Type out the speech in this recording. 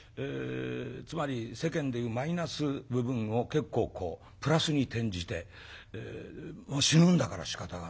つまり世間で言うマイナス部分を結構こうプラスに転じて死ぬんだからしかたがない。